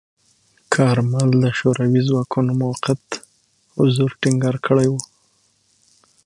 کارمل د شوروي ځواکونو موقت حضور ټینګار کړی و.